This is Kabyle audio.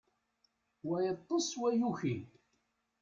Wa yeṭṭes, wa yuki.